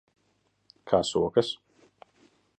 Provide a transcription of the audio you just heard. Kā sokas?